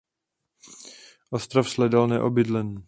Ostrov shledal neobydlený.